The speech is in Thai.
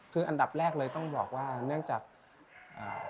คืออันดับแรกเลยต้องบอกว่าเนื่องจากสถานการณ์ตอนนี้